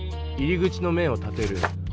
入り口の面を立てる。